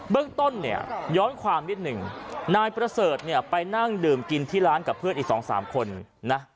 เรื่องต้นเนี่ยย้อนความนิดหนึ่งนายประเสริฐเนี่ยไปนั่งดื่มกินที่ร้านกับเพื่อนอีก๒๓คนนะ